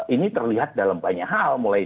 ini terlihat dalam banyak hal mulai